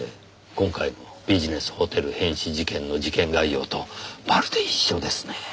今回のビジネスホテル変死事件の事件概要とまるで一緒ですね。